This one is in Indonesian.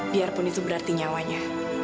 biarpun itu berarti nyawanya